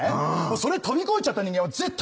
それ飛び越えちゃった人間は絶対またやりますよ。